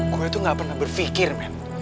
gue tuh gak pernah berpikir men